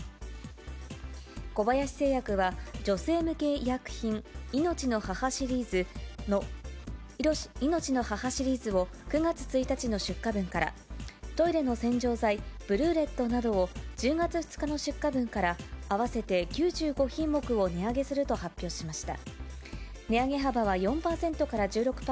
小林製薬は、女性向け医薬品、命の母シリーズを９月１日の出荷分から、トイレの洗浄剤、ブルーレットなどを１０月２日の出荷分から、合わせて９５品目を値上げすると発表しました。